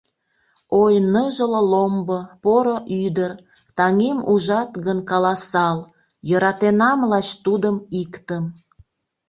Ой, ныжыл ломбо — поро ӱдыр, Таҥем ужат гын, каласал: Йӧратенам лач тудым иктым.